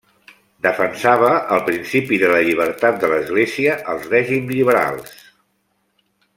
Defensava el principi de la llibertat de l'Església als règims liberals.